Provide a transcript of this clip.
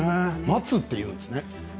松って言うんですね。